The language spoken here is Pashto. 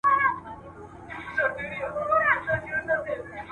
ډیپلوماټیک لیکونه باید د درناوي په مانا وي.